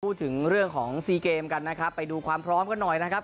พูดถึงเรื่องของซีเกมกันนะครับไปดูความพร้อมกันหน่อยนะครับ